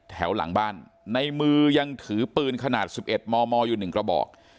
แถวหลังบ้านในมือยังถือปืนขนาด๑๑มมอยู่๑กระบอก